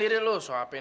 kau mau ngapain